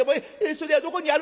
それはどこにある？」。